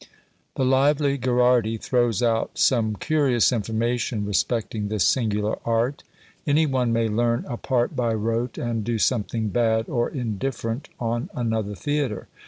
The lively Gherardi throws out some curious information respecting this singular art: "Any one may learn a part by rote, and do something bad, or indifferent, on another theatre.